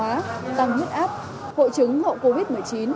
hóa tăng huyết áp hội chứng hậu covid một mươi chín